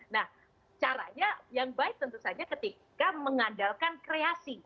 nah caranya yang baik tentu saja ketika mengandalkan kreasi